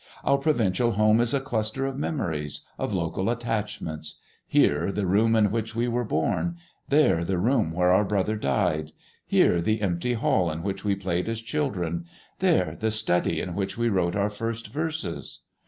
Our provincial home is a cluster of memories, of local attachments: here the room in which we were born, there the room where our brother died; here the empty hall in which we played as children, there the study in which we wrote our first verses.